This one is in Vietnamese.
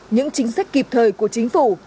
những chính sách kịp thời của chính phủ